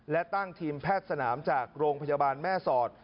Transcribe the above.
และตั้งทีมแพทย์สนามจากโรงพยาบาลแม่สอด